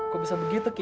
kok bisa begitu ki